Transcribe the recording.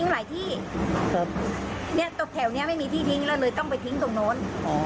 ใช่มะนาวถ้าตกเกร็ด